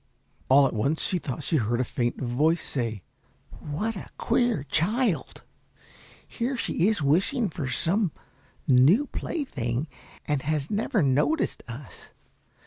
All at once she thought she heard a faint voice say, "What a queer child! Here she is wishing for some new plaything, and has never noticed us.